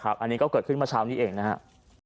อันนี้ก็เกิดขึ้นเมื่อเช้านี้เองนะครับ